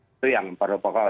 itu yang perlu pokok